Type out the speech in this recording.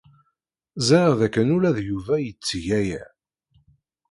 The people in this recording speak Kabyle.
Ẓriɣ dakken ula d Yuba yetteg aya.